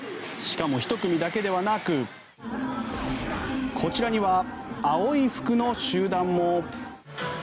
しかも１組だけではなくこちらには青い服の集団も。